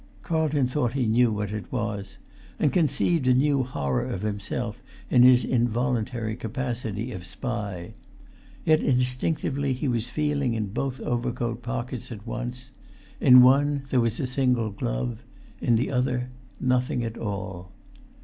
Carlton thought he knew what it was, and conceived a new horror of himself in his involuntary capacity of spy. Yet instinctively he was feeling in both overcoat pockets at once; in one there was a single glove; in the other nothing at all.